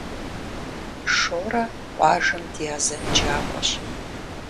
Шорэ къуажэм ди азэнджакӏуэщ.